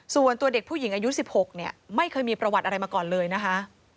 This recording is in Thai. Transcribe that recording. ส่วนตัวเด็กผู้หญิงอายุ๑๖เนี่ยไม่เคยมีประวัติอะไรมาก่อนเลยนะคะ